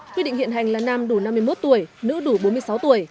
quy định hiện hành là nam đủ năm mươi một tuổi nữ đủ bốn mươi sáu tuổi